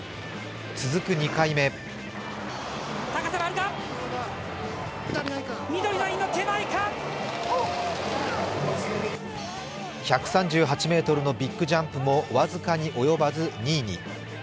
続く２回目１３８ｍのビッグジャンプも僅かに及ばず２位に。